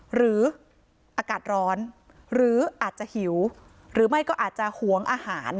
หรืออากาศร้อนหรืออาจจะหิวหรือไม่ก็อาจจะหวงอาหาร